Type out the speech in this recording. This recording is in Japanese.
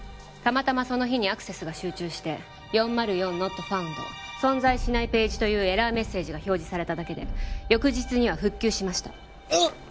たまたまその日にアクセスが集中して４０４ＮｏｔＦｏｕｎｄ存在しないページというエラーメッセージが表示されただけで翌日には復旧しましたあっ！